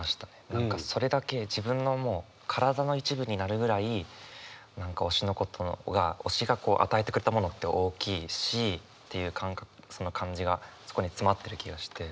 何かそれだけ自分のもう体の一部になるぐらい何か推しのことが推しが与えてくれたものって大きいしっていうその感じがそこに詰まってる気がして。